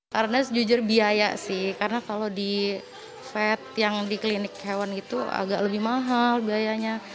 karena sejujur biaya sih karena kalau di vet yang di klinik hewan itu agak lebih mahal biayanya